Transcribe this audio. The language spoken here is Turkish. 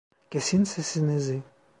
Kesin sesinizi!